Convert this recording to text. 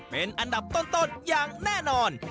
เป็นอันดับต้นอย่างแน่นอน